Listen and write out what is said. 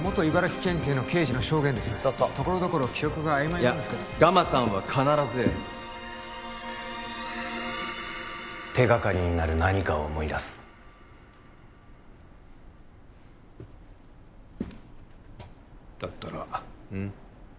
茨城県警の刑事の証言ですそうそうところどころ記憶が曖昧なんですけどいやガマさんは必ず手がかりになる何かを思い出すだったらうん？